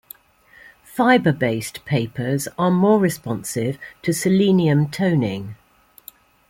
Fibre-based papers are more responsive to selenium toning.